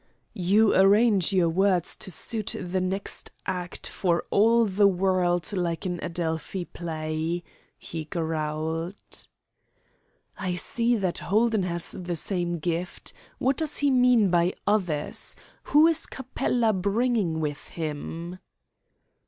"You arrange your words to suit the next act for all the world like an Adelphi play," he growled. "I see that Holden has the same gift. What does he mean by 'others'? Who is Capella bringing with him?"